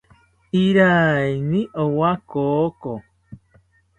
Iraiyini owa koko